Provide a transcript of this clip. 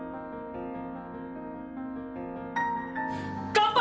乾杯！